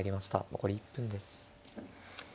残り１分です。